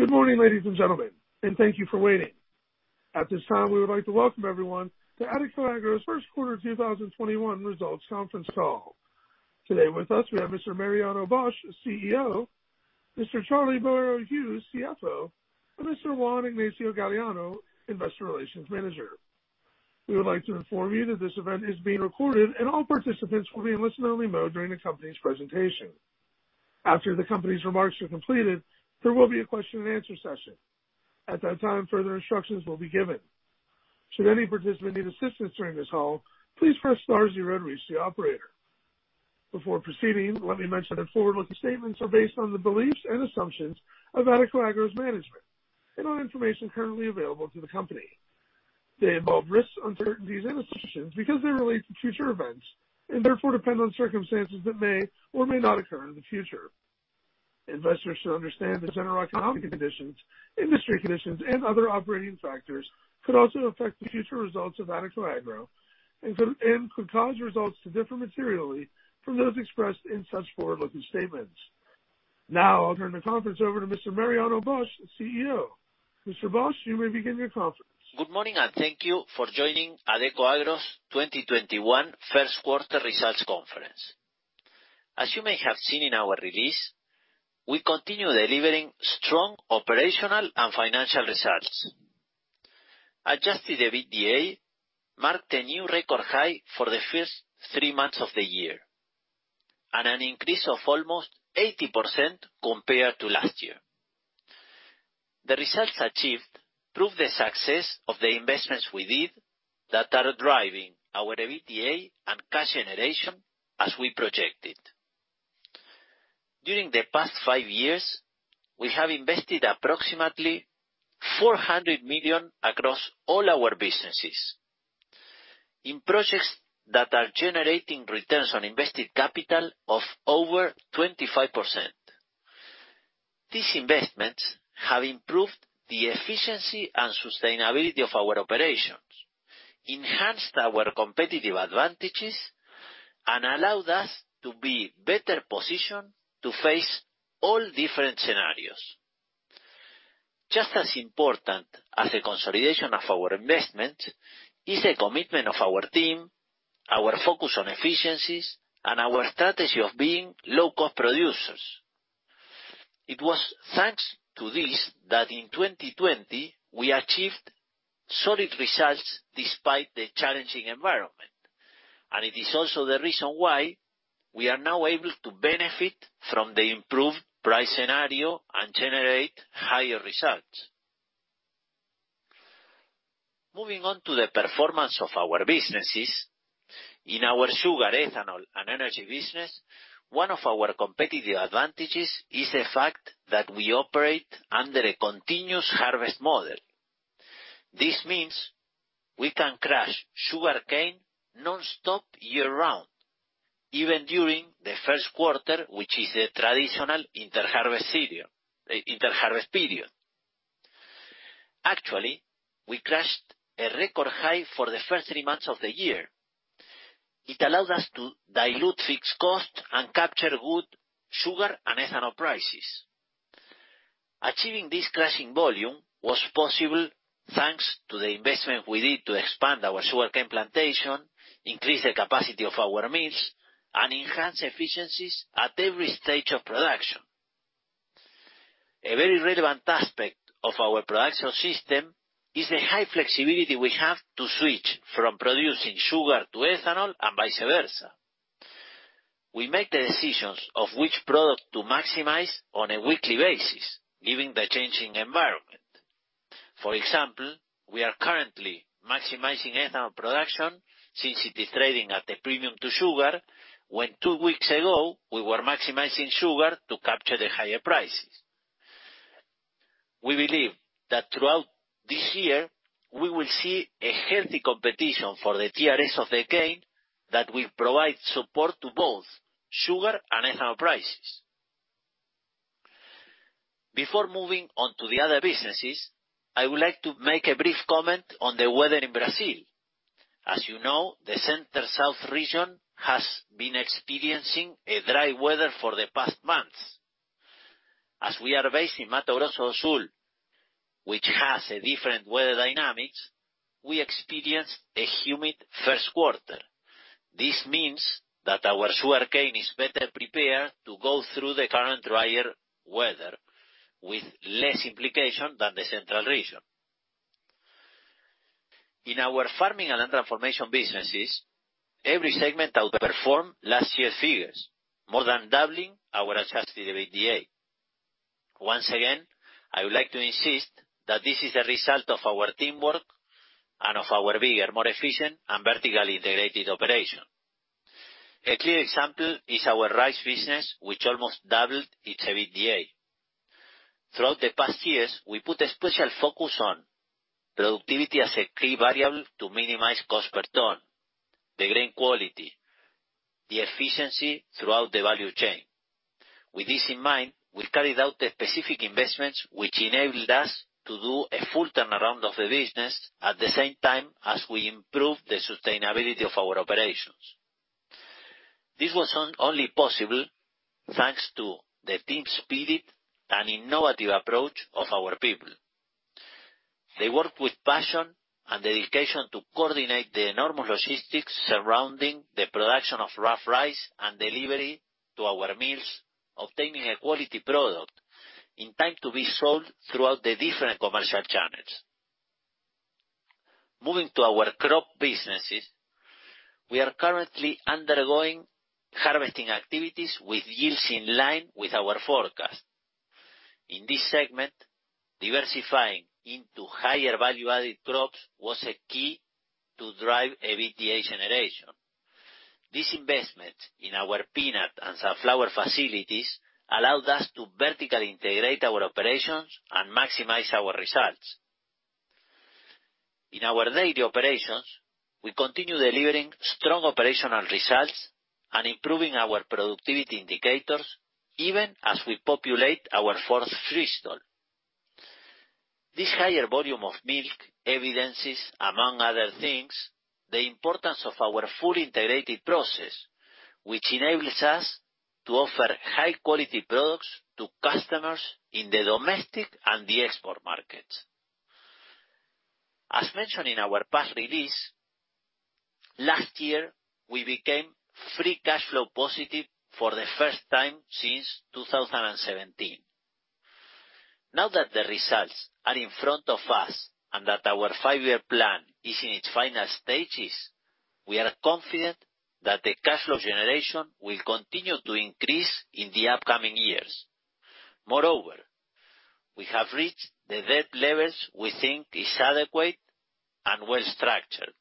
Good morning, ladies and gentlemen, and thank you for waiting. At this time, we would like to welcome everyone to Adecoagro's first quarter 2021 results conference call. Today with us, we have Mr. Mariano Bosch, CEO, Mr. Charlie Boero Hughes, CFO, and Mr. Juan Ignacio Galleano, Investor Relations Manager. We would like to inform you that this event is being recorded, and all participants will be in listen-only mode during the company's presentation. After the company's remarks are completed, there will be a question and answer session. At that time, further instructions will be given. Should any participant need assistance during this call, please press star zero to reach the operator. Before proceeding, let me mention that forward-looking statements are based on the beliefs and assumptions of Adecoagro's management and on information currently available to the company. They involve risks, uncertainties, and assumptions because they relate to future events, and therefore depend on circumstances that may or may not occur in the future. Investors should understand that general economic conditions, industry conditions, and other operating factors could also affect the future results of Adecoagro and could cause results to differ materially from those expressed in such forward-looking statements. Now, I'll turn the conference over to Mr. Mariano Bosch, the CEO. Mr. Bosch, you may begin your conference. Good morning, and thank you for joining Adecoagro's 2021 first quarter results conference. As you may have seen in our release, we continue delivering strong operational and financial results. Adjusted EBITDA marked a new record high for the first three months of the year, and an increase of almost 80% compared to last year. The results achieved prove the success of the investments we did that are driving our EBITDA and cash generation as we projected. During the past five years, we have invested approximately 400 million across all our businesses in projects that are generating returns on invested capital of over 25%. These investments have improved the efficiency and sustainability of our operations, enhanced our competitive advantages, and allowed us to be better positioned to face all different scenarios. Just as important as the consolidation of our investment is the commitment of our team, our focus on efficiencies, and our strategy of being low-cost producers. It was thanks to this that in 2020, we achieved solid results despite the challenging environment, and it is also the reason why we are now able to benefit from the improved price scenario and generate higher results. Moving on to the performance of our businesses. In our sugar, ethanol, and energy business, one of our competitive advantages is the fact that we operate under a continuous harvest model. This means we can crush sugarcane nonstop year-round, even during the first quarter, which is the traditional inter-harvest period. Actually, we crushed a record high for the first three months of the year. It allowed us to dilute fixed costs and capture good sugar and ethanol prices. Achieving this crushing volume was possible thanks to the investment we did to expand our sugarcane plantation, increase the capacity of our mills, and enhance efficiencies at every stage of production. A very relevant aspect of our production system is the high flexibility we have to switch from producing sugar to ethanol and vice versa. We make the decisions of which product to maximize on a weekly basis, given the changing environment. For example, we are currently maximizing ethanol production since it is trading at a premium to sugar, when two weeks ago, we were maximizing sugar to capture the higher prices. We believe that throughout this year, we will see a healthy competition for the TRS of the cane that will provide support to both sugar and ethanol prices. Before moving on to the other businesses, I would like to make a brief comment on the weather in Brazil. As you know, the Center-South region has been experiencing a dry weather for the past months. As we are based in Mato Grosso do Sul, which has a different weather dynamic, we experienced a humid first quarter. This means that our sugarcane is better prepared to go through the current drier weather with less implication than the Center-South region. In our farming and transformation businesses, every segment outperformed last year's figures, more than doubling our Adjusted EBITDA. Once again, I would like to insist that this is a result of our teamwork and of our bigger, more efficient, and vertically integrated operation. A clear example is our rice business, which almost doubled its EBITDA. Throughout the past years, we put a special focus on productivity as a key variable to minimize cost per ton, the grain quality, the efficiency throughout the value chain. With this in mind, we carried out specific investments which enabled us to do a full turnaround of the business at the same time as we improved the sustainability of our operations. This was only possible thanks to the team spirit and innovative approach of our people. They work with passion and dedication to coordinate the enormous logistics surrounding the production of rough rice and delivery to our mills, obtaining a quality product in time to be sold throughout the different commercial channels. Moving to our crop businesses, we are currently undergoing harvesting activities with yields in line with our forecast. In this segment, diversifying into higher value-added crops was a key to drive EBITDA generation. This investment in our peanut and sunflower facilities allowed us to vertically integrate our operations and maximize our results. In our daily operations, we continue delivering strong operational results and improving our productivity indicators even as we populate our fourth free stall. This higher volume of milk evidences, among other things, the importance of our fully integrated process, which enables us to offer high-quality products to customers in the domestic and the export markets. As mentioned in our past release, last year, we became free cash flow positive for the first time since 2017. Now that the results are in front of us and that our five-year plan is in its final stages, we are confident that the cash flow generation will continue to increase in the upcoming years. We have reached the debt levels we think is adequate and well-structured.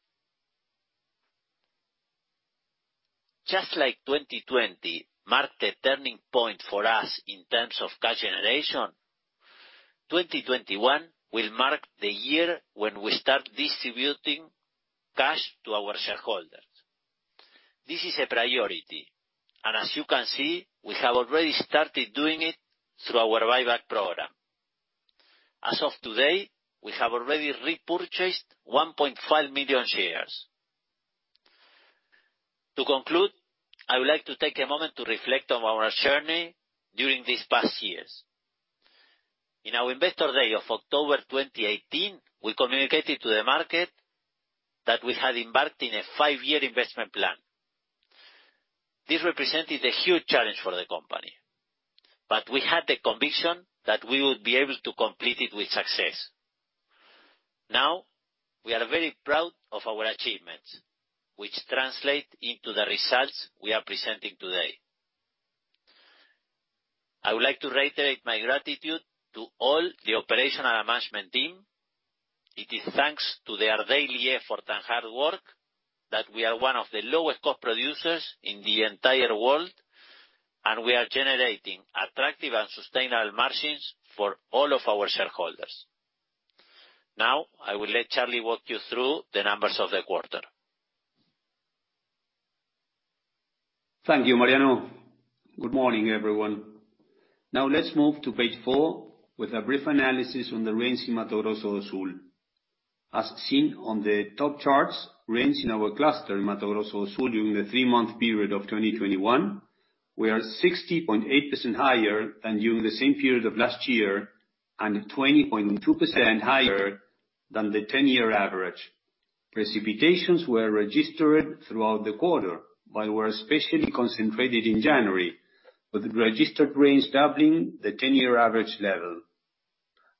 Just like 2020 marked a turning point for us in terms of cash generation, 2021 will mark the year when we start distributing cash to our shareholders. This is a priority, and as you can see, we have already started doing it through our buyback program. As of today, we have already repurchased 1.5 million shares. To conclude, I would like to take a moment to reflect on our journey during these past years. In our Investor Day of October 2018, we communicated to the market that we had embarked on a five-year investment plan. This represented a huge challenge for the company, but we had the conviction that we would be able to complete it with success. Now, we are very proud of our achievements, which translate into the results we are presenting today. I would like to reiterate my gratitude to all the operational management team. It is thanks to their daily effort and hard work that we are one of the lowest cost producers in the entire world, and we are generating attractive and sustainable margins for all of our shareholders. Now, I will let Charlie walk you through the numbers of the quarter. Thank you, Mariano. Good morning, everyone. Let's move to page four with a brief analysis on the rains in Mato Grosso do Sul. As seen on the top charts, rains in our cluster in Mato Grosso do Sul during the three-month period of 2021 were 60.8% higher than during the same period of last year and 20.2% higher than the 10-year average. Precipitations were registered throughout the quarter, but were especially concentrated in January, with registered rains doubling the 10-year average level.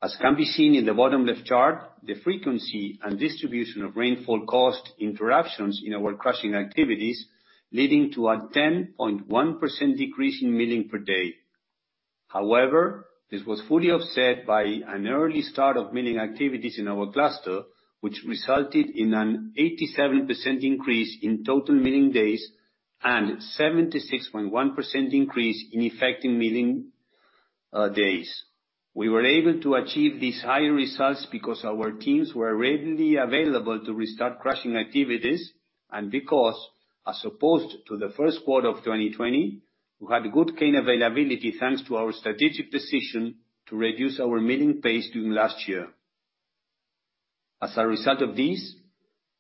As can be seen in the bottom left chart, the frequency and distribution of rainfall caused interruptions in our crushing activities, leading to a 10.1% decrease in milling per day. This was fully offset by an early start of milling activities in our cluster, which resulted in an 87% increase in total milling days and 76.1% increase in effective milling days. We were able to achieve these higher results because our teams were readily available to restart crushing activities and because, as opposed to the first quarter of 2020, we had good cane availability, thanks to our strategic decision to reduce our milling pace during last year. As a result of this,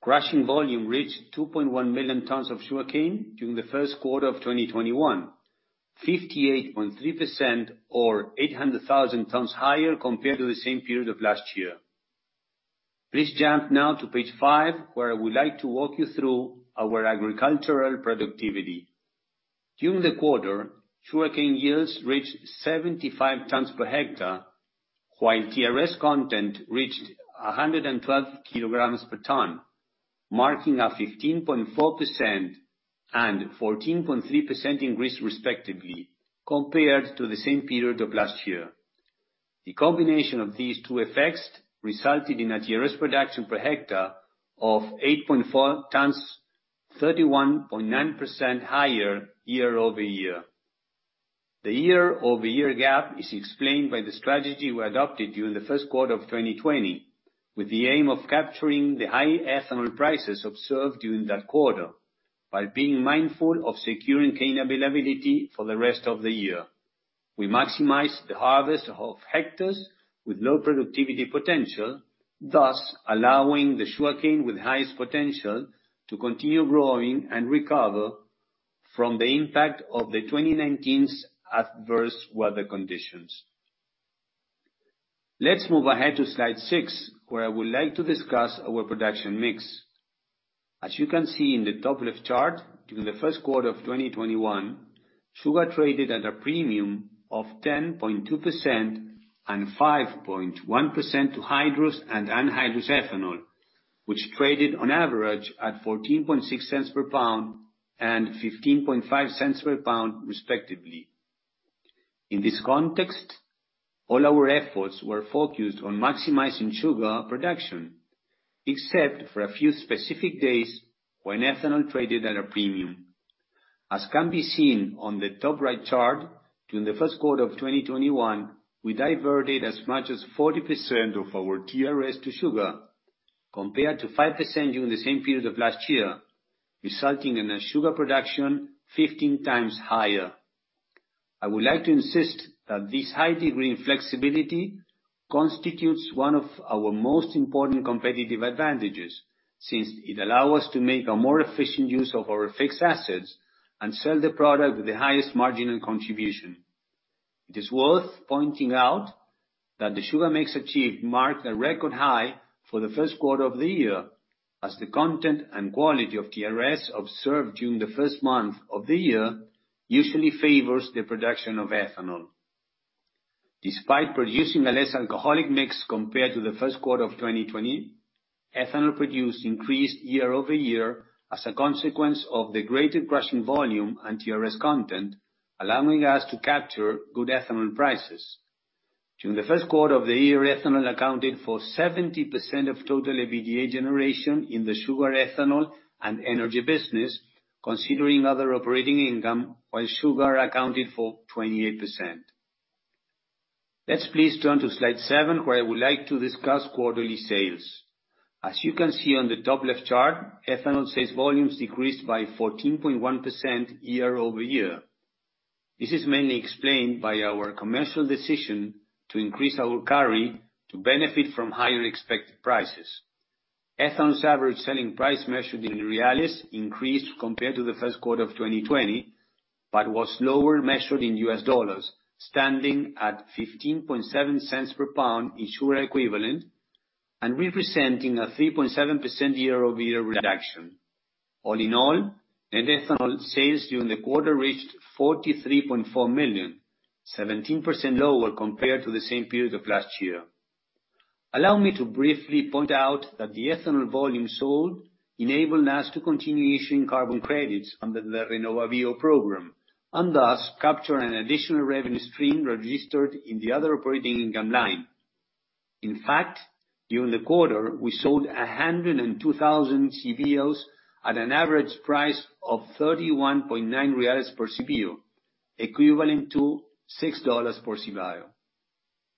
crushing volume reached 2.1 million tons of sugarcane during the first quarter of 2021, 58.3% or 800,000 tons higher compared to the same period of last year. Please jump now to page five, where I would like to walk you through our agricultural productivity. During the quarter, sugarcane yields reached 75 tons per hectare, while TRS content reached 112 kg per ton, marking a 15.4% and 14.3% increase, respectively, compared to the same period of last year. The combination of these two effects resulted in a TRS production per hectare of 8.4 tons, 31.9% higher year-over-year. The year-over-year gap is explained by the strategy we adopted during the first quarter of 2020, with the aim of capturing the high ethanol prices observed during that quarter, while being mindful of securing cane availability for the rest of the year. We maximize the harvest of hectares with low productivity potential, thus allowing the sugarcane with highest potential to continue growing and recover from the impact of the 2019's adverse weather conditions. Let's move ahead to slide six, where I would like to discuss our production mix. As you can see in the top left chart, during the first quarter of 2021, sugar traded at a premium of 10.2% and 5.1% to hydrous and anhydrous ethanol, which traded on average at $0.146 per pound and $0.155 per pound respectively. In this context, all our efforts were focused on maximizing sugar production, except for a few specific days when ethanol traded at a premium. As can be seen on the top right chart, during the first quarter of 2021, we diverted as much as 40% of our TRS to sugar, compared to 5% during the same period of last year, resulting in a sugar production 15x higher. I would like to insist that this high degree of flexibility constitutes one of our most important competitive advantages, since it allow us to make a more efficient use of our fixed assets and sell the product with the highest marginal contribution. It is worth pointing out that the sugar mix achieved marked a record high for the first quarter of the year, as the content and quality of TRS observed during the first month of the year usually favors the production of ethanol. Despite producing a less alcoholic mix compared to the first quarter of 2020, ethanol produced increased year-over-year as a consequence of the greater crushing volume and TRS content, allowing us to capture good ethanol prices. During the first quarter of the year, ethanol accounted for 70% of total EBITDA generation in the sugar, ethanol, and energy business, considering other operating income, while sugar accounted for 28%. Let's please turn to slide seven, where I would like to discuss quarterly sales. As you can see on the top left chart, ethanol sales volumes decreased by 14.1% year-over-year. This is mainly explained by our commercial decision to increase our carry to benefit from higher expected prices. Ethanol's average selling price measured in BRL increased compared to the first quarter of 2020, but was lower measured in U.S. dollars, standing at $0.157 per pound in sugar equivalent and representing a 3.7% year-over-year reduction. All in all, net ethanol sales during the quarter reached 43.4 million, 17% lower compared to the same period of last year. Allow me to briefly point out that the ethanol volume sold enabled us to continue issuing carbon credits under the RenovaBio program, and thus capture an additional revenue stream registered in the other operating income line. In fact, during the quarter, we sold 102,000 CBIOs at an average price of 31.9 per CBIO, equivalent to $6 per CBIO.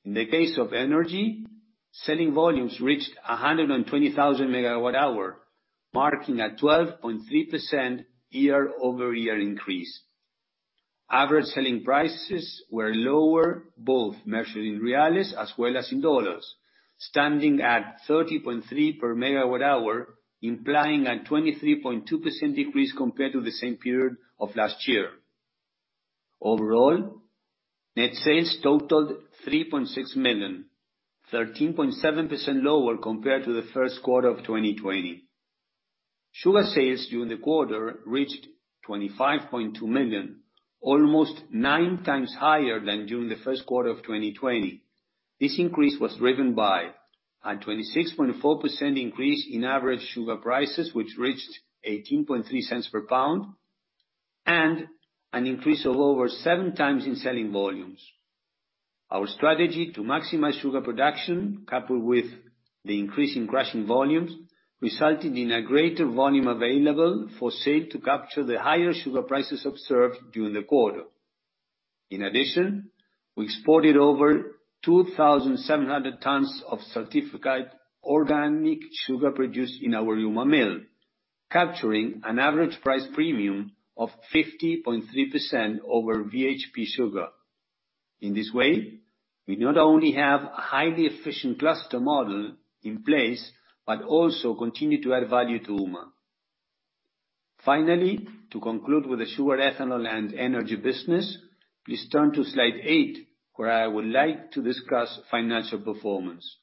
In the case of energy, selling volumes reached 120,000 MWh, marking a 12.3% year-over-year increase. Average selling prices were lower, both measured in BRL as well as in USD, standing at 30.3 per MWh, implying a 23.2% decrease compared to the same period of last year. Overall, net sales totaled 3.6 million, 13.7% lower compared to the first quarter of 2020. Sugar sales during the quarter reached 25.2 million, almost 9x higher than during the first quarter of 2020. This increase was driven by a 26.4% increase in average sugar prices, which reached $0.183 per pound, and an increase of over seven times in selling volumes. Our strategy to maximize sugar production, coupled with the increase in crushing volumes, resulted in a greater volume available for sale to capture the higher sugar prices observed during the quarter. In addition, we exported over 2,700 tons of certified organic sugar produced in our UMA mill, capturing an average price premium of 50.3% over VHP sugar. In this way, we not only have a highly efficient cluster model in place, but also continue to add value to UMA. Finally, to conclude with the sugar, ethanol, and energy business, please turn to slide eight, where I would like to discuss financial performance.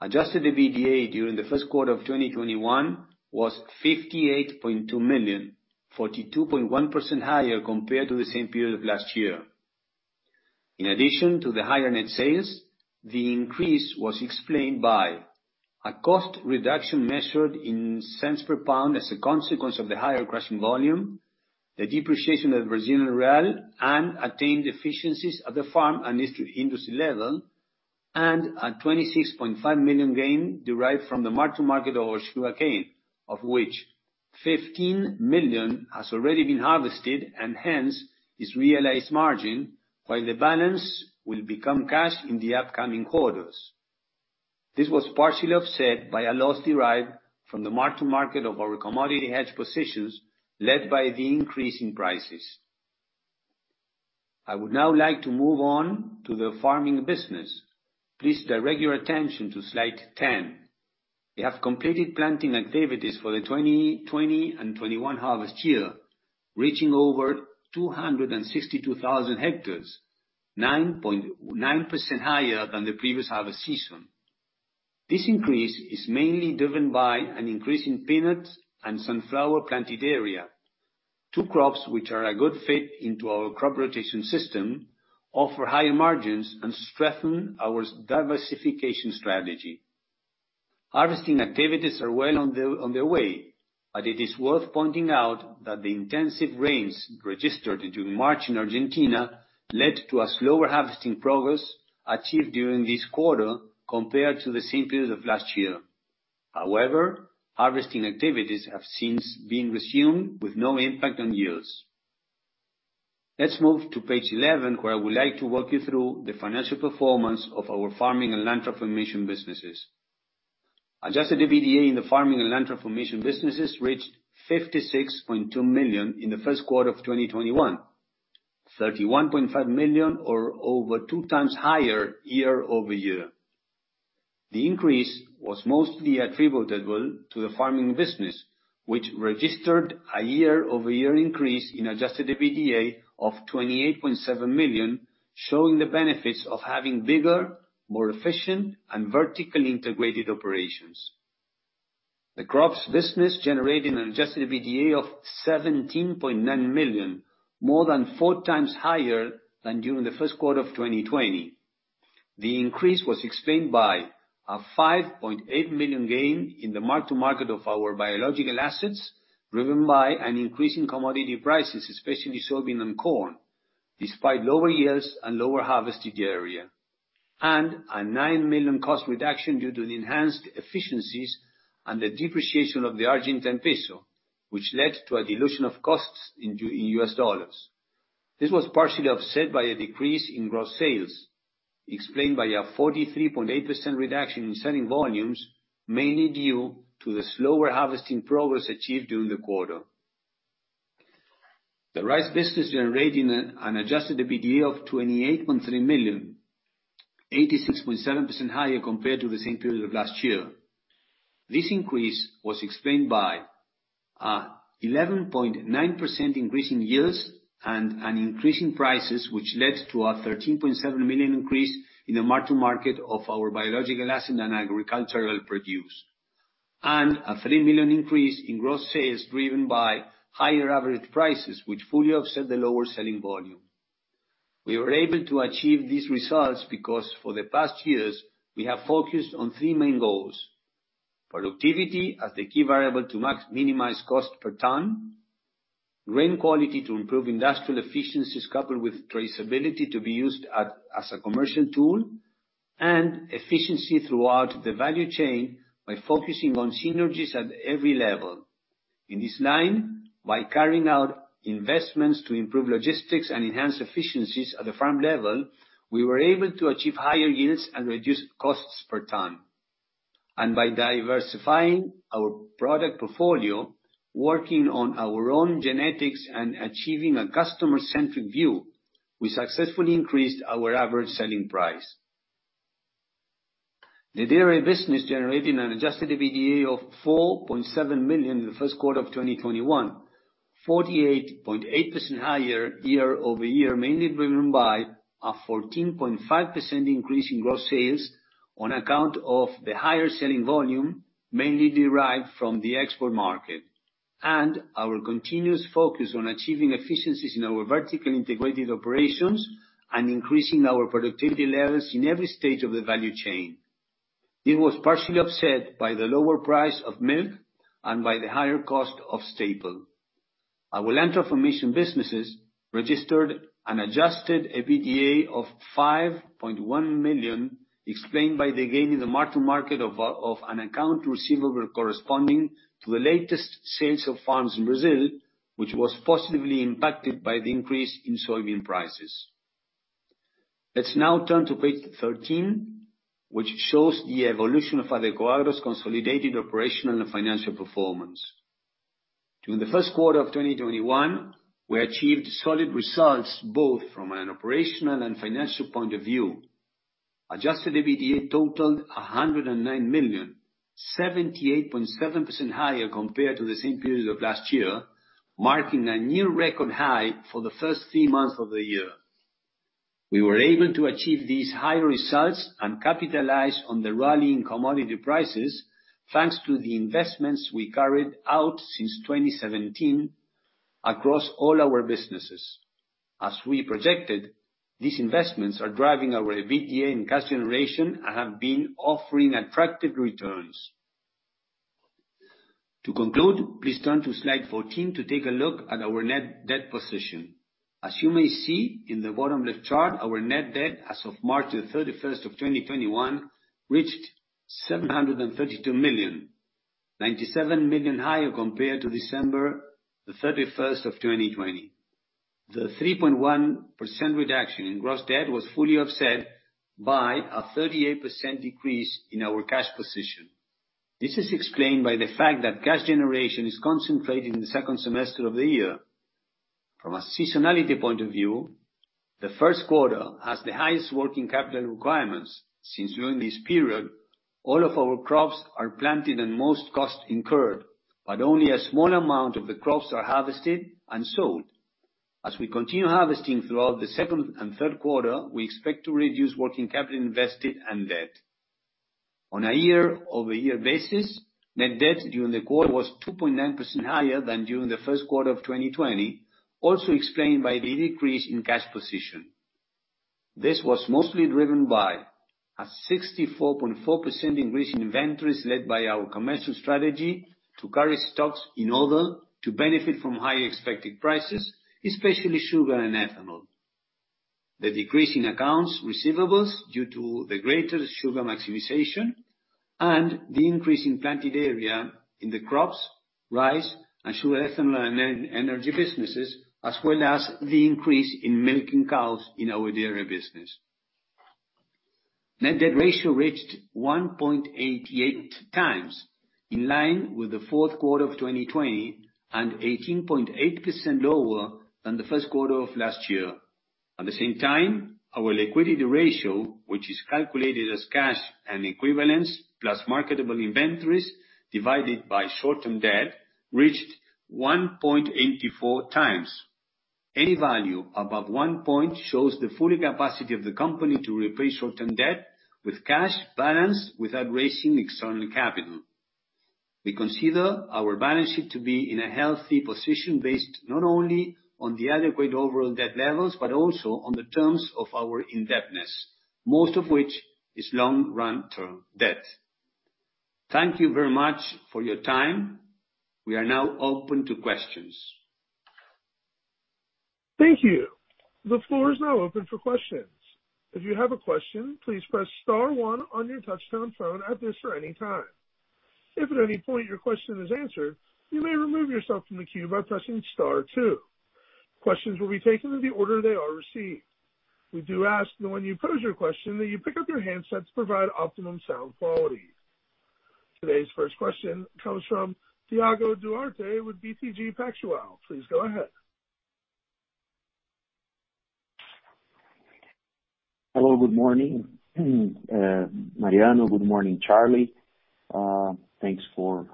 Adjusted EBITDA during the first quarter of 2021 was 58.2 million, 42.1% higher compared to the same period of last year. In addition to the higher net sales, the increase was explained by a cost reduction measured in cents per pound as a consequence of the higher crushing volume, the depreciation of Brazilian real, and attained efficiencies at the farm and district industry level, and a 26.5 million gain derived from the mark-to-market of our sugarcane, of which 15 million has already been harvested and hence is realized margin, while the balance will become cash in the upcoming quarters. This was partially offset by a loss derived from the mark-to-market of our commodity hedge positions, led by the increase in prices. I would now like to move on to the farming business. Please direct your attention to slide 10. We have completed planting activities for the 2020 and 2021 harvest year, reaching over 262,000 hectares, 9% higher than the previous harvest season. This increase is mainly driven by an increase in peanuts and sunflower planted area. Two crops, which are a good fit into our crop rotation system, offer higher margins and strengthen our diversification strategy. Harvesting activities are well on their way, but it is worth pointing out that the intensive rains registered during March in Argentina led to a slower harvesting progress achieved during this quarter compared to the same period of last year. However, harvesting activities have since been resumed with no impact on yields. Let's move to page 11, where I would like to walk you through the financial performance of our farming and land transformation businesses. Adjusted EBITDA in the farming and land transformation businesses reached 56.2 million in the first quarter of 2021, 31.5 million or over 2x higher year-over-year. The increase was mostly attributable to the farming business, which registered a year-over-year increase in Adjusted EBITDA of 28.7 million, showing the benefits of having bigger, more efficient, and vertically integrated operations. The crops business generated an Adjusted EBITDA of 17.9 million, more than four times higher than during the first quarter of 2020. The increase was explained by a 5.8 million gain in the mark-to-market of our biological assets, driven by an increase in commodity prices, especially soybean and corn, despite lower yields and lower harvested area, and a 9 million cost reduction due to the enhanced efficiencies and the depreciation of the Argentine peso, which led to a dilution of costs in U.S. dollars. This was partially offset by a decrease in gross sales, explained by a 43.8% reduction in selling volumes, mainly due to the slower harvesting progress achieved during the quarter. The rice business generating an Adjusted EBITDA of 28.3 million, 86.7% higher compared to the same period of last year. This increase was explained by a 11.9% increase in yields and an increase in prices, which led to a 13.7 million increase in the mark-to-market of our biological asset and agricultural produce, and a 3 million increase in gross sales driven by higher average prices, which fully offset the lower selling volume. We were able to achieve these results because for the past years, we have focused on three main goals. Productivity as the key variable to minimize cost per ton, grain quality to improve industrial efficiencies coupled with traceability to be used as a commercial tool, and efficiency throughout the value chain by focusing on synergies at every level. In this line, by carrying out investments to improve logistics and enhance efficiencies at the farm level, we were able to achieve higher yields and reduce costs per ton. By diversifying our product portfolio, working on our own genetics, and achieving a customer-centric view, we successfully increased our average selling price. The dairy business generating an Adjusted EBITDA of 4.7 million in the first quarter of 2021, 48.8% higher year-over-year, mainly driven by a 14.5% increase in gross sales on account of the higher selling volume, mainly derived from the export market, and our continuous focus on achieving efficiencies in our vertically integrated operations and increasing our productivity levels in every stage of the value chain. It was partially offset by the lower price of milk and by the higher cost of cattle. Our land transformation businesses registered an Adjusted EBITDA of 5.1 million, explained by the gain in the mark-to-market of an account receivable corresponding to the latest sales of farms in Brazil, which was positively impacted by the increase in soybean prices. Let's now turn to page 13, which shows the evolution of Adecoagro's consolidated operational and financial performance. During the first quarter of 2021, we achieved solid results both from an operational and financial point of view. Adjusted EBITDA totaled 109 million, 78.7% higher compared to the same period of last year, marking a new record high for the first three months of the year. We were able to achieve these high results and capitalize on the rally in commodity prices, thanks to the investments we carried out since 2017 across all our businesses. As we projected, these investments are driving our Adjusted EBITDA and cash generation and have been offering attractive returns. To conclude, please turn to slide 14 to take a look at our net debt position. As you may see in the bottom left chart, our net debt as of March 31st of 2021, reached 732 million, 97 million higher compared to December 31st of 2020. The 3.1% reduction in gross debt was fully offset by a 38% decrease in our cash position. This is explained by the fact that cash generation is concentrated in the second semester of the year. From a seasonality point of view, the first quarter has the highest working capital requirements, since during this period, all of our crops are planted and most costs incurred, but only a small amount of the crops are harvested and sold. As we continue harvesting throughout the second and third quarter, we expect to reduce working capital invested and debt. On a year-over-year basis, net debt during the quarter was 2.9% higher than during the first quarter of 2020, also explained by the decrease in cash position. This was mostly driven by a 64.4% increase in inventories led by our commercial strategy to carry stocks in order to benefit from high expected prices, especially sugar and ethanol. The decrease in accounts receivables due to the greater sugar maximization and the increase in planted area in the crops, rice, and sugar, ethanol, and energy businesses, as well as the increase in milking cows in our dairy business. Net debt ratio reached 1.88x, in line with the fourth quarter of 2020 and 18.8% lower than the first quarter of last year. At the same time, our liquidity ratio, which is calculated as cash and equivalents plus marketable inventories divided by short-term debt, reached 1.84x. Any value above one point shows the full capacity of the company to replace short-term debt with cash balance without raising external capital. We consider our balance sheet to be in a healthy position based not only on the adequate overall debt levels, but also on the terms of our indebtedness, most of which is long run term debt. Thank you very much for your time. We are now open to questions. Thank you. The floor is now open for questions. Questions will be taken in the order they are received. We do ask that when you pose your question, that you pick up your handset to provide optimum sound quality. Today's first question comes from Thiago Duarte with BTG Pactual. Please go ahead. Hello. Good morning, Mariano. Good morning, Charlie. Thanks for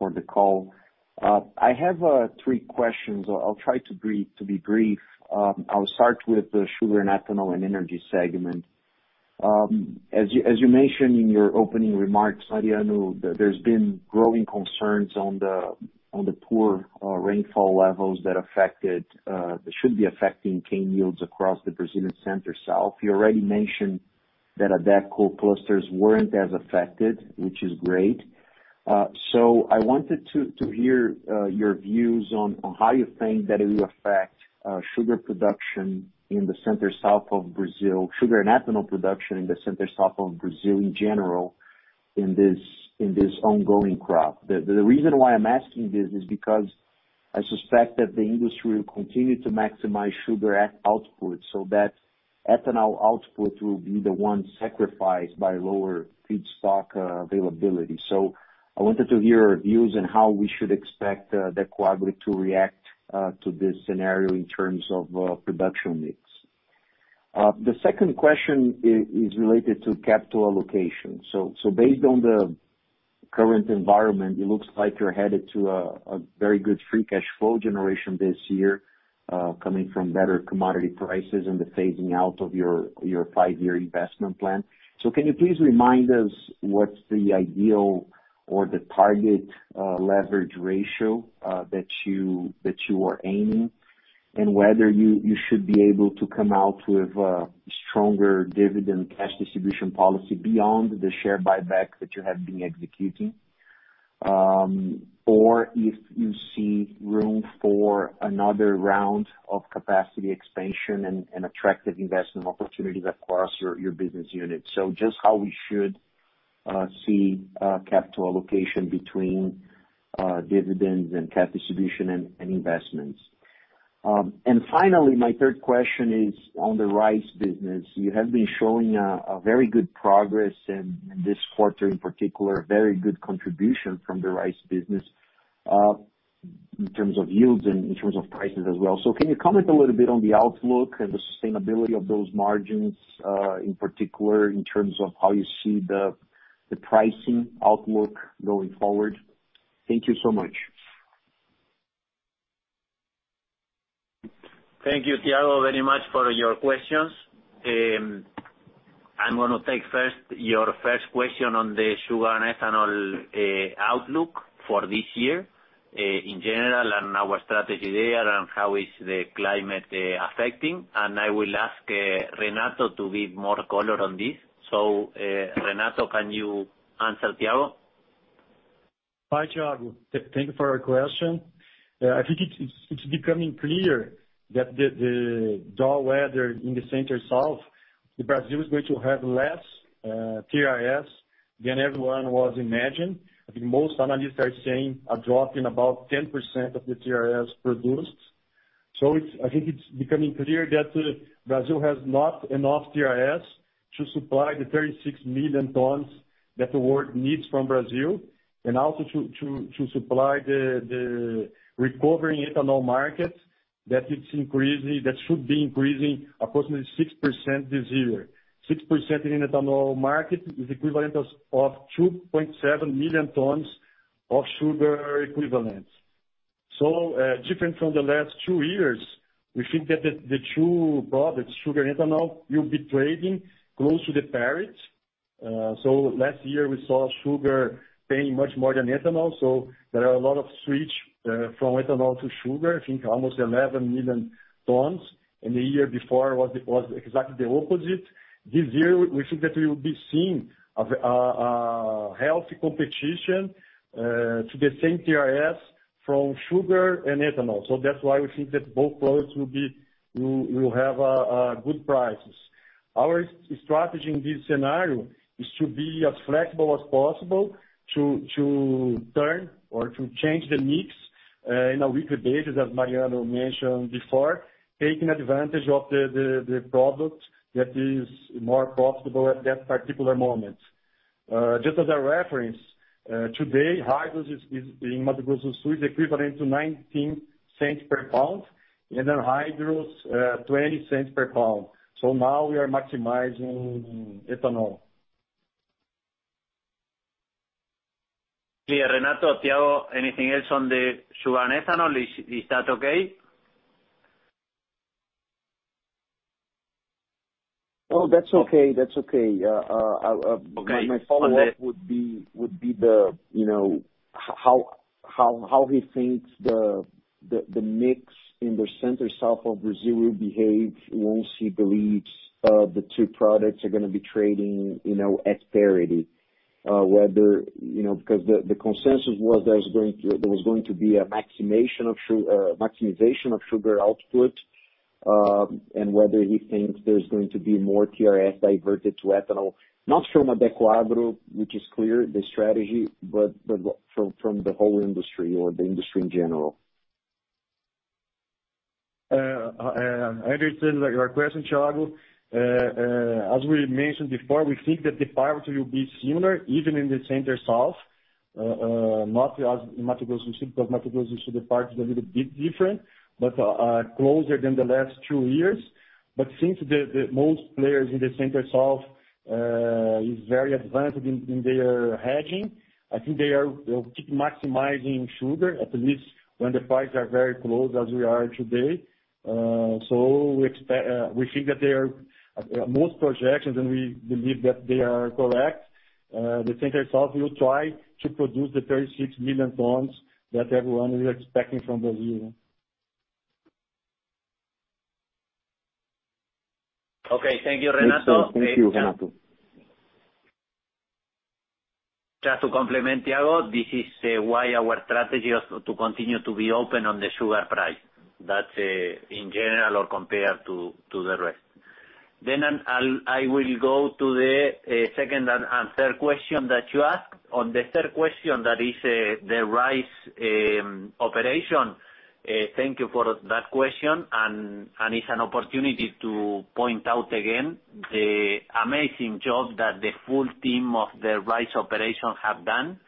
the call. I have three questions. I'll try to be brief. I'll start with the sugar and ethanol and energy segment. As you mentioned in your opening remarks, Mariano, that there's been growing concerns on the poor rainfall levels that should be affecting cane yields across the Brazilian Center-South. You already mentioned that Adecoagro clusters weren't as affected, which is great. I wanted to hear your views on how you think that it will affect sugar production in the Center-South of Brazil, sugar and ethanol production in the Center-South of Brazil in general in this ongoing crop. The reason why I'm asking this is because I suspect that the industry will continue to maximize sugar output, that ethanol output will be the one sacrificed by lower feedstock availability. I wanted to hear your views on how we should expect Adecoagro to react to this scenario in terms of production mix. The second question is related to capital allocation. Based on the current environment, it looks like you're headed to a very good free cash flow generation this year, coming from better commodity prices and the phasing out of your five-year investment plan. Can you please remind us what's the ideal or the target leverage ratio that you are aiming, and whether you should be able to come out with a stronger dividend cash distribution policy beyond the share buyback that you have been executing? If you see room for another round of capacity expansion and attractive investment opportunities across your business units. Just how we should see capital allocation between dividends and cash distribution and investments. Finally, my third question is on the rice business. You have been showing a very good progress in this quarter in particular, very good contribution from the rice business, in terms of yields and in terms of prices as well. Can you comment a little bit on the outlook and the sustainability of those margins, in particular, in terms of how you see the pricing outlook going forward? Thank you so much. Thank you, Thiago, very much for your questions. I'm going to take first your first question on the sugar and ethanol outlook for this year in general and our strategy there and how is the climate affecting, and I will ask Renato to give more color on this. Renato, can you answer Thiago? Hi, Thiago. Thank you for your question. I think it's becoming clear that the dry weather in the Center-South, Brazil is going to have less TRS than everyone was imagining. I think most analysts are saying a drop in about 10% of the TRS produced. I think it's becoming clear that Brazil has not enough TRS to supply the 36 million tons that the world needs from Brazil, and also to supply the recovering ethanol market that should be increasing approximately 6% this year. 6% in ethanol market is equivalent of 2.7 million tons of sugar equivalent. Different from the last two years, we think that the two products, sugar and ethanol, will be trading close to the parity. Last year, we saw sugar paying much more than ethanol. There are a lot of switch from ethanol to sugar, I think almost 11 million tons. The year before, it was exactly the opposite. This year, we think that we'll be seeing a healthy competition to the same TRS from sugar and ethanol. That's why we think that both products will have good prices. Our strategy in this scenario is to be as flexible as possible to turn or to change the mix in a weekly basis, as Mariano mentioned before, taking advantage of the product that is more profitable at that particular moment. Just as a reference, today, hydrous in Mato Grosso do Sul is equivalent to $0.19 per pound, and an anhydrous, $0.20 per pound. Now we are maximizing ethanol. Yeah, Renato, Thiago, anything else on the sugar and ethanol? Is that okay? No, that's okay. Okay. My follow-up would be how he thinks the mix in the Center-South of Brazil will behave once he believes the two products are going to be trading at parity. The consensus was there was going to be a maximization of sugar output, and whether he thinks there's going to be more TRS diverted to ethanol, not from Adecoagro, which is clear, the strategy, but from the whole industry or the industry in general. I understand your question, Thiago. As we mentioned before, we think that the parity will be similar, even in the Center-South, not as in Mato Grosso do Sul, because Mato Grosso do Sul the parity is a little bit different, but closer than the last two years. Since most players in the Center-South is very advanced in their hedging, I think they'll keep maximizing sugar, at least when the prices are very close as we are today. We think that most projections, and we believe that they are correct, the Center-South will try to produce the 36 million tons that everyone is expecting from Brazil. Okay. Thank you, Renato. Thank you. Just to complement Thiago, this is why our strategy is to continue to be open on the sugar price. That's in general or compared to the rest. I will go to the second and third question that you asked. On the third question, that is the rice operation. Thank you for that question, and it's an opportunity to point out again, the amazing job that the full team of the rice operation have done.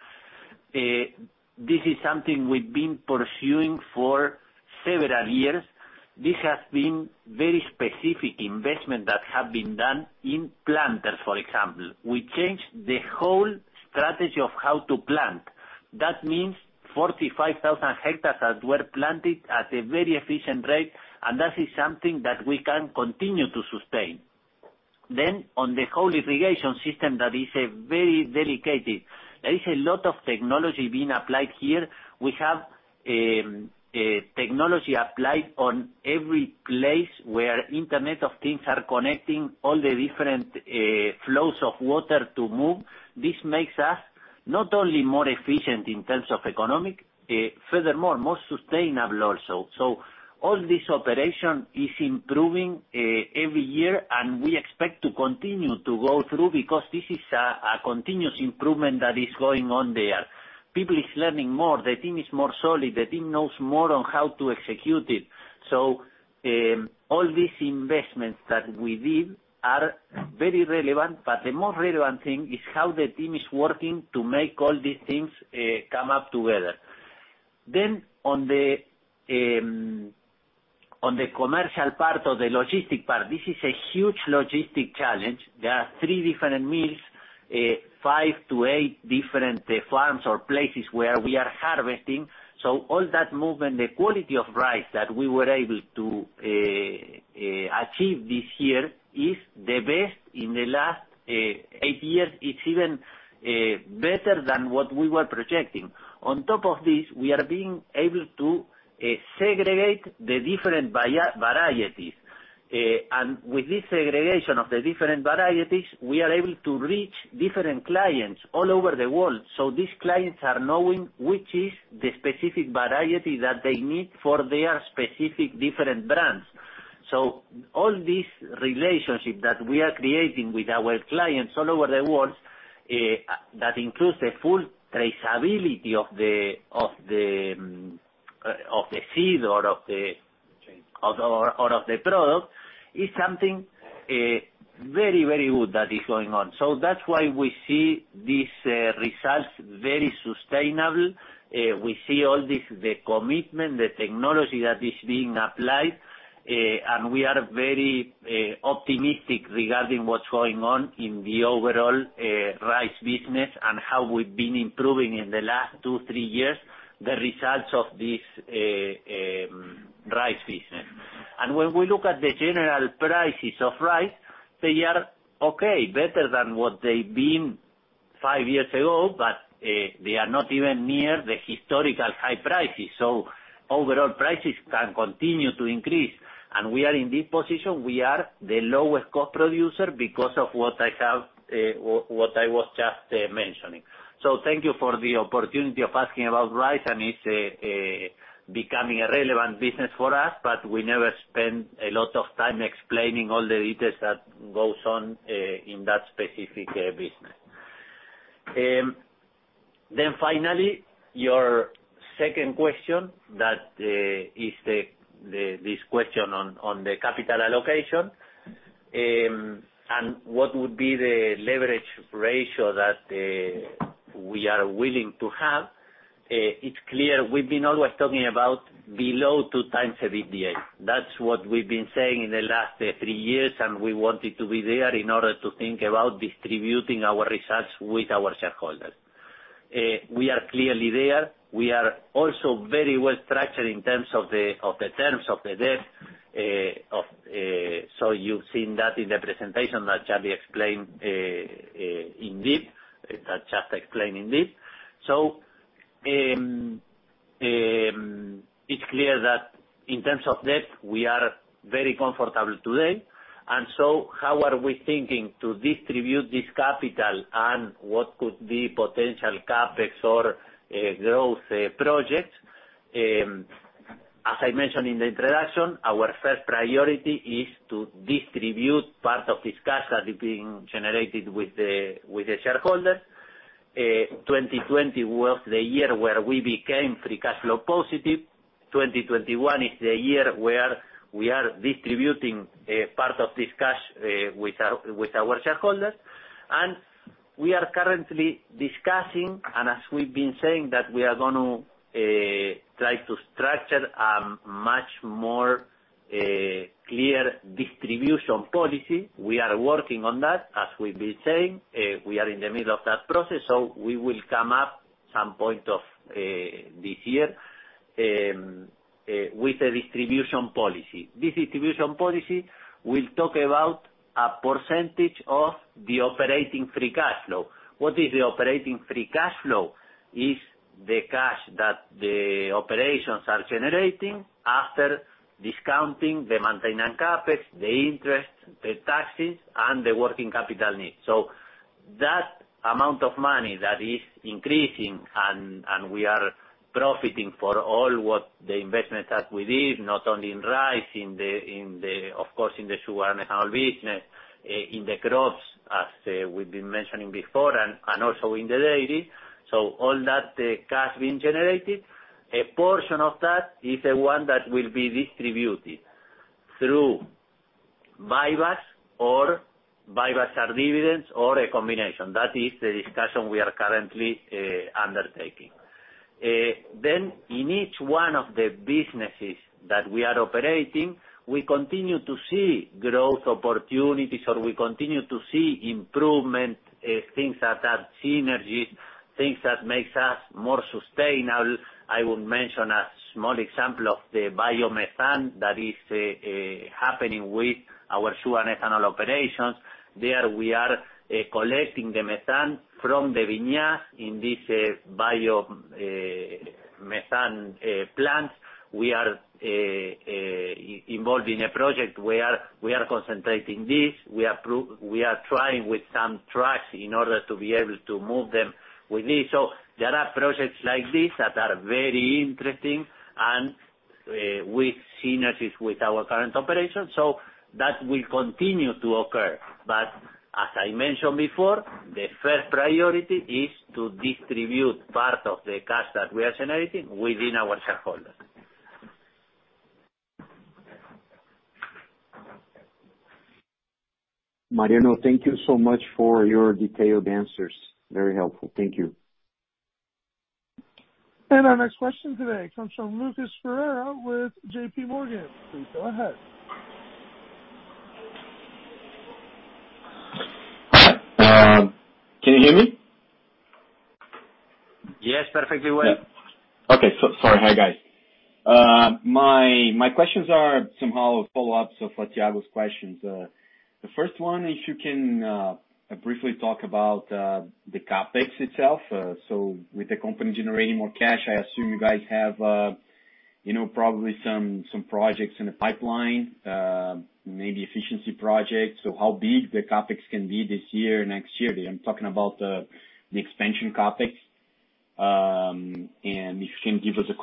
This is something we've been pursuing for several years. This has been very specific investment that have been done in planters, for example. We changed the whole strategy of how to plant. That means 45,000 hectares were planted at a very efficient rate, and that is something that we can continue to sustain. On the whole irrigation system, that is very dedicated. There is a lot of technology being applied here. We have technology applied on every place where Internet of Things are connecting all the different flows of water to move. This makes us not only more efficient in terms of economic, furthermore, more sustainable also. All this operation is improving every year, and we expect to continue to go through because this is a continuous improvement that is going on there. People is learning more. The team is more solid. The team knows more on how to execute it. All these investments that we did are very relevant, but the most relevant thing is how the team is working to make all these things come up together. On the commercial part or the logistic part, this is a huge logistic challenge. There are three different mills, five to eight different farms or places where we are harvesting. All that movement, the quality of rice that we were able to achieve this year is the best in the last eight years. It's even better than what we were projecting. On top of this, we are being able to segregate the different varieties. With this segregation of the different varieties, we are able to reach different clients all over the world. These clients are knowing which is the specific variety that they need for their specific different brands. All this relationship that we are creating with our clients all over the world, that includes the full traceability of the seed or of the product, is something very, very good that is going on. That's why we see these results very sustainable. We see all this, the commitment, the technology that is being applied, and we are very optimistic regarding what's going on in the overall rice business and how we've been improving in the last two, three years, the results of this rice business. When we look at the general prices of rice, they are okay, better than what they've been five years ago, but they are not even near the historical high prices. Overall prices can continue to increase. We are in this position. We are the lowest cost producer because of what I was just mentioning. Thank you for the opportunity of asking about rice, and it's becoming a relevant business for us, but we never spend a lot of time explaining all the details that goes on in that specific business. Finally, your second question, that is this question on the capital allocation, and what would be the leverage ratio that we are willing to have. It's clear we've been always talking about below 2x the EBITDA. That's what we've been saying in the last three years, and we wanted to be there in order to think about distributing our results with our shareholders. We are clearly there. We are also very well structured in terms of the debt. So you've seen that in the presentation that Charlie explained indeed. So, it's clear that in terms of debt, we are very comfortable today, and so how are we thinking to distribute this capital and what could be potential CapEx or growth projects? As I mentioned in the introduction, our first priority is to distribute part of this cash that is being generated with the shareholders. 2020 was the year where we became free cash flow positive. 2021 is the year where we are distributing part of this cash with our shareholders, and we are currently discussing, and as we've been saying, that we are going to try to structure a much more clear distribution policy. We are working on that, as we've been saying. We are in the middle of that process, we will come up some point of this year, with the distribution policy. This distribution policy will talk about a percentage of the operating free cash flow. What is the operating free cash flow? It's the cash that the operations are generating after discounting the maintenance CapEx, the interest, the taxes, and the working capital needs. That amount of money that is increasing, and we are profiting for all what the investments that we did, not only in rice, of course, in the sugar and ethanol business, in the crops as we've been mentioning before, and also in the dairy. All that cash being generated, a portion of that is the one that will be distributed through buybacks or dividends or a combination. That is the discussion we are currently undertaking. In each one of the businesses that we are operating, we continue to see growth opportunities or we continue to see improvement, things that are synergies, things that makes us more sustainable. I would mention a small example of the biomethane that is happening with our sugar and ethanol operations. There, we are collecting the methane from the vinasse in this biomethane plants. We are involved in a project where we are concentrating this. We are trying with some trucks in order to be able to move them with this. There are projects like this that are very interesting and with synergies with our current operations, so that will continue to occur. As I mentioned before, the first priority is to distribute part of the cash that we are generating within our shareholders. Mariano, thank you so much for your detailed answers. Very helpful. Thank you. Our next question today comes from Lucas Ferreira with JPMorgan. Please go ahead. Can you hear me? Yes, perfectly well. Okay. Sorry. Hi, guys. My questions are somehow follow-ups of Thiago's questions. The first one, if you can briefly talk about the CapEx itself. With the company generating more cash, I assume you guys have probably some projects in the pipeline, maybe efficiency projects. How big the CapEx can be this year, next year? Because I'm talking about the expansion CapEx. If you can give us a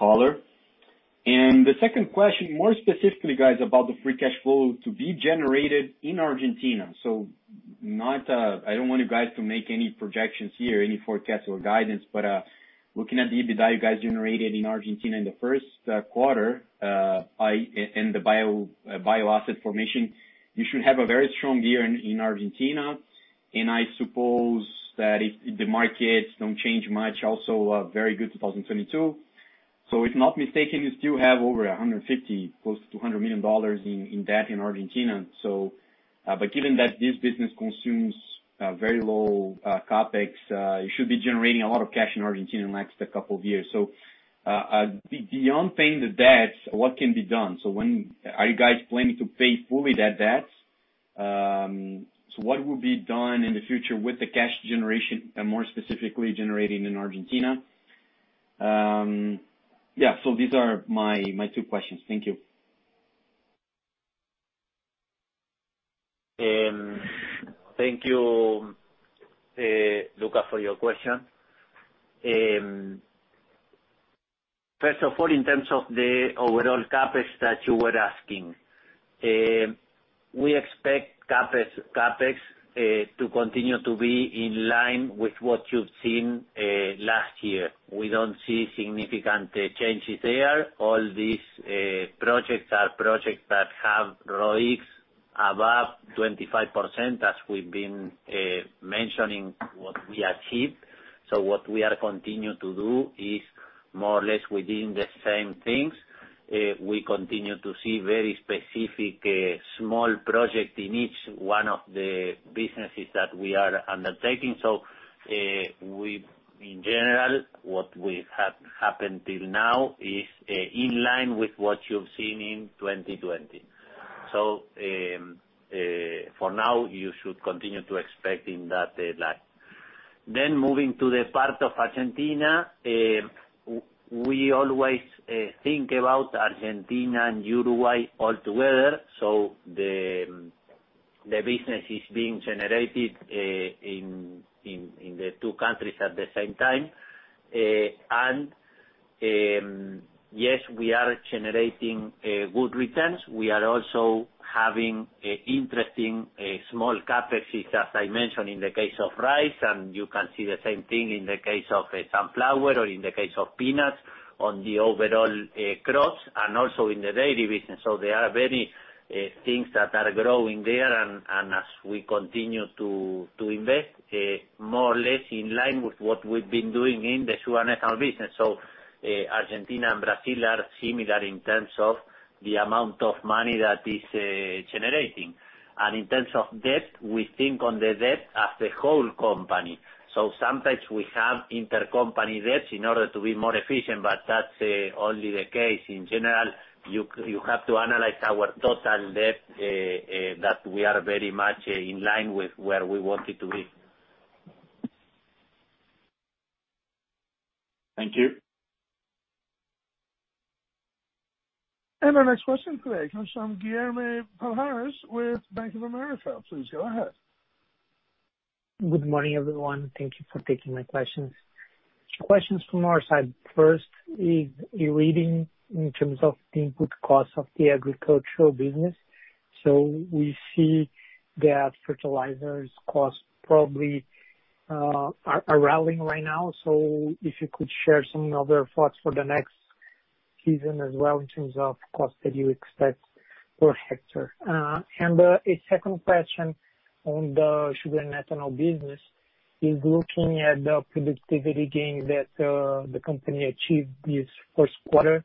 color. The second question, more specifically, guys, about the free cash flow to be generated in Argentina. I don't want you guys to make any projections here, any forecast or guidance, but looking at the EBITDA guys generated in Argentina in the first quarter, and the bio asset formation, you should have a very strong year in Argentina, and I suppose that if the markets don't change much, also a very good 2022. If I'm not mistaken, you still have over $150 million, close to $200 million in debt in Argentina. Given that this business consumes very low CapEx, it should be generating a lot of cash in Argentina in the next couple of years. Beyond paying the debts, what can be done? Are you guys planning to pay fully that debt? What will be done in the future with the cash generation and more specifically generated in Argentina? These are my two questions. Thank you. Thank you, Lucas, for your question. First of all, in terms of the overall CapEx that you were asking. We expect CapEx to continue to be in line with what you've seen last year. We don't see significant changes there. All these projects are projects that have ROIs above 25%, as we've been mentioning, what we achieved. What we are continuing to do is more or less within the same things. We continue to see very specific small projects in each one of the businesses that we are undertaking. In general, what we have happened till now is in line with what you've seen in 2020. For now, you should continue to expect in that line. Moving to the part of Argentina, we always think about Argentina and Uruguay all together. The business is being generated in the two countries at the same time. Yes, we are generating good returns. We are also having interesting small CapExes, as I mentioned, in the case of rice, and you can see the same thing in the case of sunflower or in the case of peanuts on the overall crops and also in the dairy business. There are many things that are growing there, and as we continue to invest, more or less in line with what we've been doing in the sugar and ethanol business. Argentina and Brazil are similar in terms of the amount of money that is generating. In terms of debt, we think on the debt as the whole company. Sometimes we have intercompany debts in order to be more efficient, but that's only the case. In general, you have to analyze our total debt, that we are very much in line with where we want it to be. Thank you. Our next question today comes from Guilherme Palhares with Bank of America. Please go ahead. Good morning, everyone. Thank you for taking my questions. Two questions from our side. First is relating in terms of the input cost of the agricultural business. We see that fertilizers cost probably are rallying right now. If you could share some other thoughts for the next season as well in terms of cost that you expect per hectare. The second question on the sugar and ethanol business is looking at the productivity gain that the company achieved this first quarter,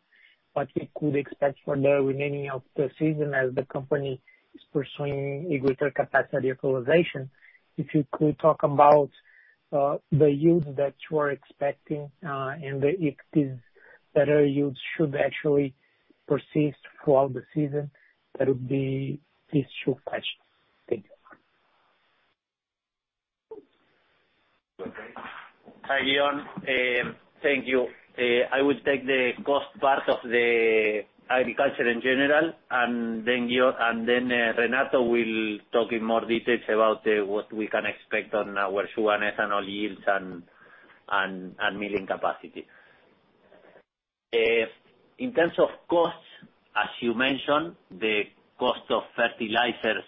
what we could expect for the remaining of the season as the company is pursuing greater capacity utilization. If you could talk about the yield that you are expecting, and the extent that our yield should actually persist throughout the season, that would be these two questions. Thank you. Hi, Guilherme. Thank you. I will take the cost part of the agriculture in general, and then Renato will talk in more details about what we can expect on our sugar and ethanol yields and milling capacity. In terms of cost, as you mentioned, the cost of fertilizers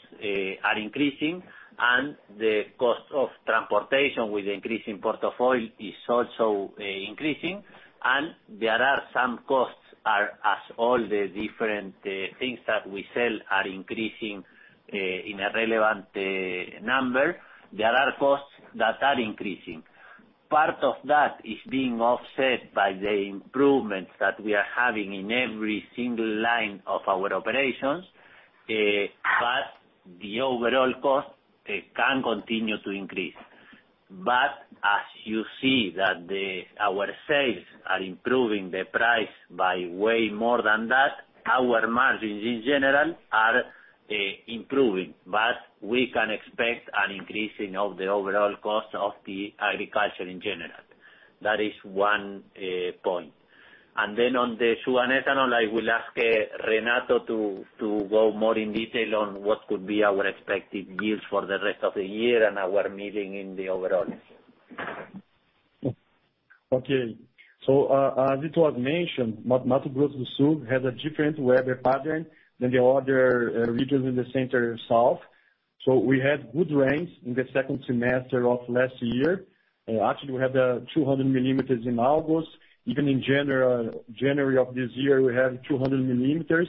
are increasing, and the cost of transportation with increasing cost of oil is also increasing, and there are some costs are as all the different things that we sell are increasing in a relevant number. There are costs that are increasing. Part of that is being offset by the improvements that we are having in every single line of our operations, but the overall cost can continue to increase. As you see that our sales are improving the price by way more than that, our margins in general are improving, but we can expect an increasing of the overall cost of the agriculture in general. That is one point. Then on the sugar ethanol, I will ask Renato to go more in detail on what could be our expected yields for the rest of the year and our milling in the overall. Okay. As Vitor mentioned, Mato Grosso do Sul has a different weather pattern than the other regions in the Center-South. We had good rains in the second semester of last year. Actually, we had 200 millimeters in August. Even in January of this year, we had 200 millimeters.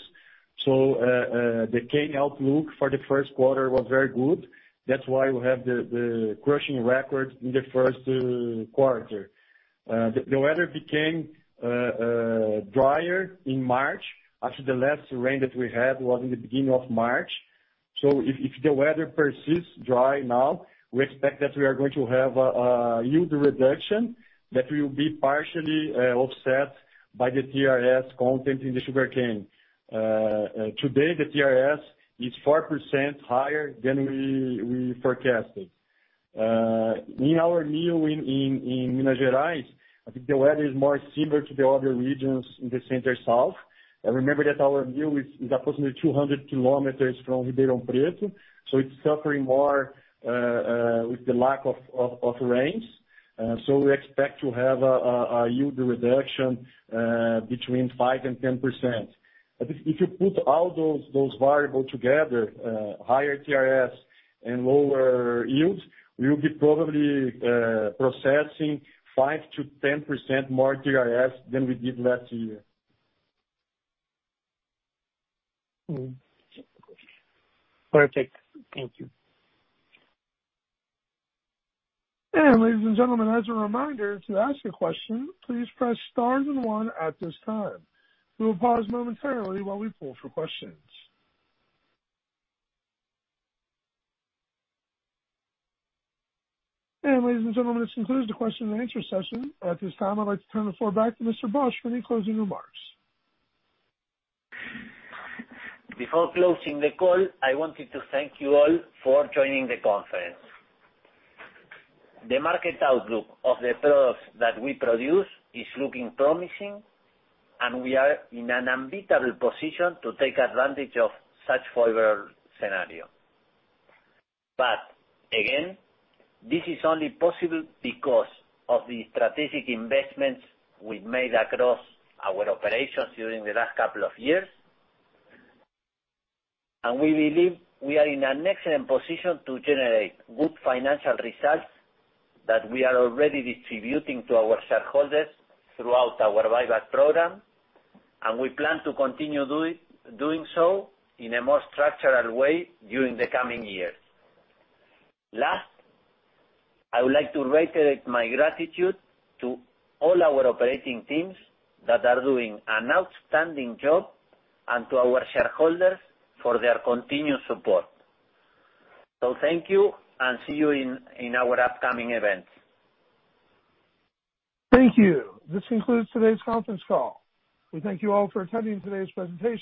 The cane outlook for the first quarter was very good. That's why we have the crushing record in the first quarter. The weather became drier in March. Actually, the last rain that we had was in the beginning of March. If the weather persists dry now, we expect that we are going to have a yield reduction that will be partially offset by the TRS content in the sugarcane. Today, the TRS is 4% higher than we forecasted. In our mill in Minas Gerais, I think the weather is more similar to the other regions in the Center-South. Remember that our mill is approximately 200 km from Ribeirão Preto, so it's suffering more with the lack of rains. We expect to have a yield reduction between 5% and 10%. I think if you put all those variables together, higher TRS and lower yields, we'll be probably processing 5%-10% more TRS than we did last year. Perfect. Thank you. Ladies and gentlemen, as a reminder, to ask a question, please press star then one at this time. We will pause momentarily while we poll for questions. Ladies and gentlemen, this concludes the question and answer session. At this time, I'd like to turn the floor back to Mr. Bosch for any closing remarks. Before closing the call, I wanted to thank you all for joining the conference. The market outlook of the products that we produce is looking promising, and we are in an unbeatable position to take advantage of such a favorable scenario. Again, this is only possible because of the strategic investments we've made across our operations during the last couple of years. We believe we are in an excellent position to generate good financial results that we are already distributing to our shareholders throughout our buyback program, and we plan to continue doing so in a more structural way during the coming years. Last, I would like to reiterate my gratitude to all our operating teams that are doing an outstanding job, and to our shareholders for their continued support. Thank you, and see you in our upcoming events. Thank you. This concludes today's conference call. We thank you all for attending today's presentation.